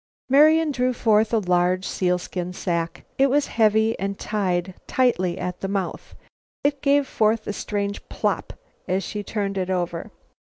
Marian drew forth a large sealskin sack. It was heavy and was tied tightly at the mouth. It gave forth a strange plop as she turned it over.